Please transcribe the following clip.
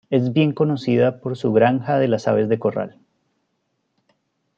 Es bien conocida por su granja de las aves de corral.